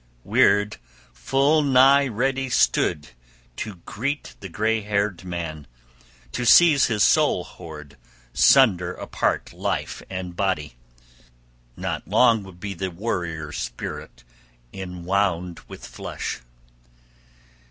Wyrd full nigh stood ready to greet the gray haired man, to seize his soul hoard, sunder apart life and body. Not long would be the warrior's spirit enwound with flesh.